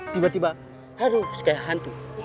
tiba tiba aduh kayak hantu